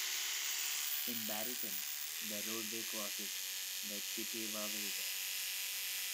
In Barryton, the roadway crosses the Chippewa River.